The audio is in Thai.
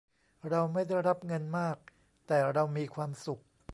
เราไม่ได้รับเงินมาก แต่เรามีความสุข